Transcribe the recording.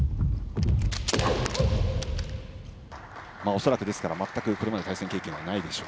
恐らく、全くこれまで対戦経験はないでしょう